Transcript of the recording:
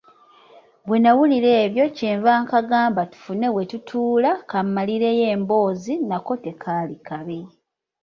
Bwe nawulira ebyo kye nva nkagamba tufune we tutuula kammalireyo emboozi nako tekaali kabi.